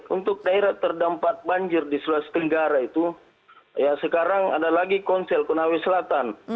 untuk daerah terdampak banjir di sulawesi tenggara itu sekarang ada lagi konsel konawe selatan